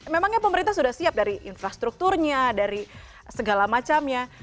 memangnya pemerintah sudah siap dari infrastrukturnya dari segala macamnya